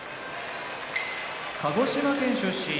鹿児島県出身